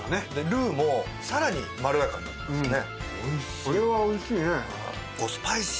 ルーもさらにまろやかになってますね。